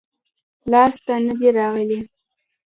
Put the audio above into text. لاس ته نه دي راغلي-